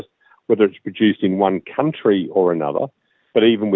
apakah diproduksi di satu negara atau lain